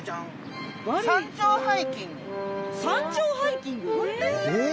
山頂ハイキング？